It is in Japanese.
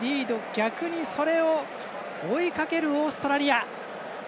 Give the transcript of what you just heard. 逆に、それを追いかけるオーストラリア。